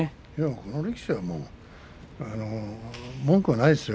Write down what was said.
この力士は文句はないですよ。